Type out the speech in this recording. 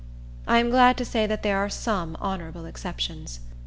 I am glad to say there are some honorable exceptions.